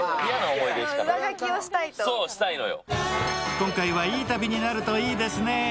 今回はいい旅になるといいですね。